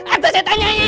ada setan nyanyi